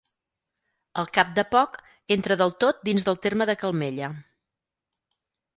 Al cap de poc entra del tot dins del terme de Calmella.